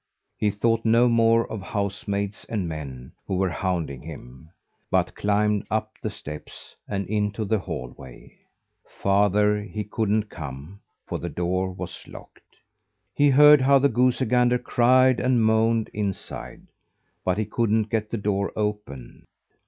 He thought no more of housemaids and men, who were hounding him, but climbed up the steps and into the hallway. Farther he couldn't come, for the door was locked. He heard how the goosey gander cried and moaned inside, but he couldn't get the door open.